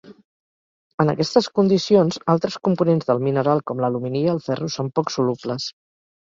En aquestes condicions, altres components del mineral com l'alumini i el ferro són poc solubles.